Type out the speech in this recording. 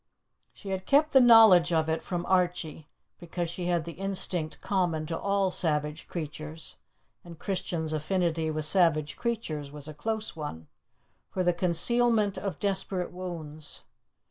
She had kept the knowledge of it from Archie, because she had the instinct common to all savage creatures (and Christian's affinity with savage creatures was a close one) for the concealment of desperate wounds.